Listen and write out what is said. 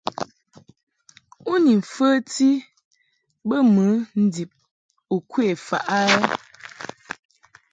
U ni mfəti bə mɨ ndib u kwe faʼ a ?